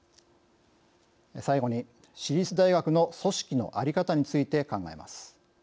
最後に、私立大学の組織の在り方について考えます。